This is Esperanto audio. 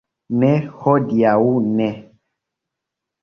Ne, hodiaŭ ne